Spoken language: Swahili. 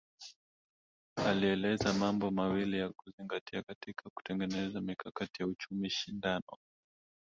Alieleza mambo mawili ya kuzingatia katika kutengeneza mikakati ya uchumi shindani